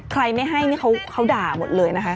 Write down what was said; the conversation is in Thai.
ใครไม่ให้นี่เขาด่าหมดเลยนะคะ